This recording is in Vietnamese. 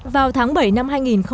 vào tháng bảy năm hai nghìn một mươi bảy